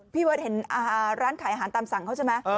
พี่เบิร์ตเห็นร้านขายอาหารตามสั่งเขาใช่ไหม